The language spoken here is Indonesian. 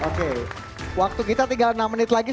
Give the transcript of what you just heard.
oke waktu kita tinggal enam menit lagi